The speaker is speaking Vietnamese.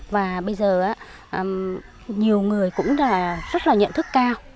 và bây giờ nhiều người cũng rất là nhận thức cao